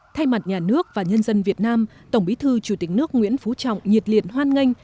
thay mặt nhà nước và nhân dân việt nam tổng bí thư chủ tịch nước nguyễn phú trọng nhiệt liệt hoan nghênh